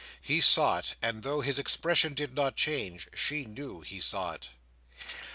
He saw it; and though his expression did not change, she knew he saw it.